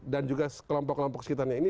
dan juga kelompok kelompok sekitarnya ini